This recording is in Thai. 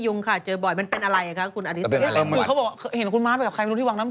ไม่ใช่ผมจะบอกให้ฟังว่า